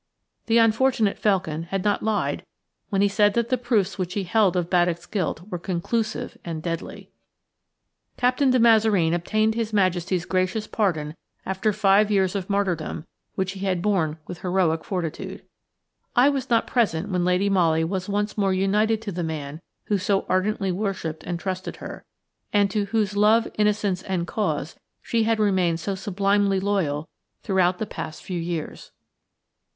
The unfortunate Felkin had not lied when he said that the proofs which he held of Baddock's guilt were conclusive and deadly. Captain de Mazareen obtained His Majesty's gracious pardon after five years of martyrdom which he had borne with heroic fortitude. I was not present when Lady Molly was once more united to the man who so ardently worshipped and trusted her, and to whose love, innocence, and cause she had remained so sublimely loyal throughout the past few years.